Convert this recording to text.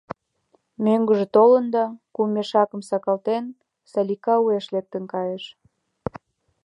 Мӧҥгыжӧ толын да, кум мешакым сакалтен, Салика уэш лектын кайыш.